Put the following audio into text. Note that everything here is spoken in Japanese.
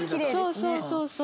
そうそうそうそう。